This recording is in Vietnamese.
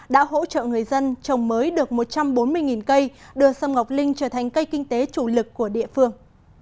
đã hỗ trợ người dân trồng mới được một trăm bốn mươi cây đưa sâm ngọc linh trở thành cây kinh tế chủ lực của địa phương